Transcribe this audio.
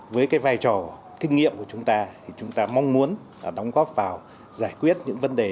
với cái vai trò kinh nghiệm của chúng ta thì chúng ta mong muốn đóng góp vào giải quyết những vấn đề